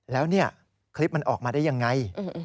แล้วนี่คลิปมันออกมาได้อย่างไร